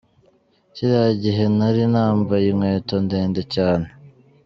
Kiriya gihe nari nambaye inkweto ndende cyane.